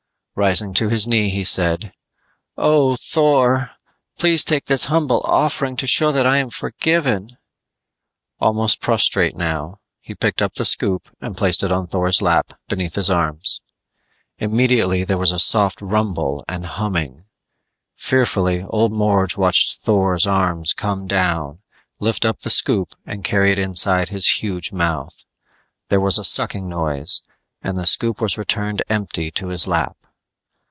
Rising to his knee he said, "Oh, Thor, please take this humble offering to show that I am forgiven." Almost prostrate now, he picked up the scoop and placed it on Thor's lap beneath his arms. Immediately there was a soft rumble and humming. Fearfully old Morge watched Thor's arms come down, lift up the scoop and carry it inside his huge mouth. There was a sucking noise and the scoop was returned empty to his lap.